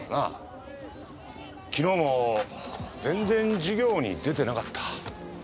昨日も全然授業に出てなかった。